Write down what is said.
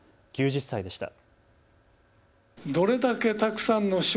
９０歳でした。